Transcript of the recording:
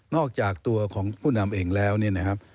อกจากตัวของผู้นำเองแล้วเนี่ยนะครับ